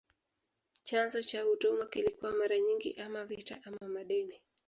Chanzo cha utumwa kilikuwa mara nyingi ama vita ama madeni.